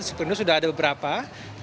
super indo sudah ada beberapa jaringan